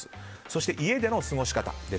そして、家での過ごし方。